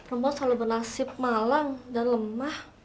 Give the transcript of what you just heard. rembang selalu berlasib malang dan lemah